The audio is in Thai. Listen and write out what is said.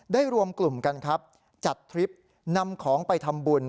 รวมกลุ่มกันครับจัดทริปนำของไปทำบุญ